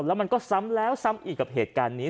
แล้วมันก็ซ้ำแล้วซ้ำอีกกับเหตุการณ์นี้